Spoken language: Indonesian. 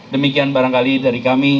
demikian barangkali dari kami